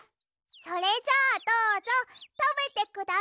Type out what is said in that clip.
それじゃあどうぞたべてください。